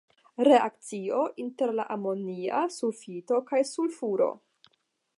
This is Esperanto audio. Reakcio inter la amonia sulfito kaj sulfuro.